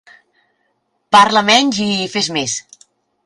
Parla menys i fes més!